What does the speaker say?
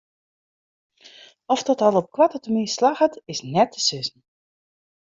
Oft dat al op koarte termyn slagget is net te sizzen.